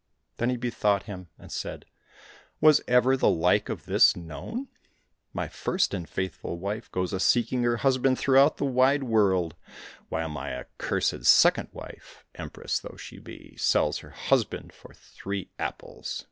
Then he be thought him, and said, " Was ever the like of this known ? My first and faithful wife goes a seeking her husband throughout the wide world, while my accursed second wife. Empress though she be, sells her husband for three apples